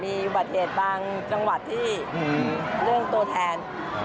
มีอุบัติเหตุบางจังหวัดที่เรื่องตัวแทน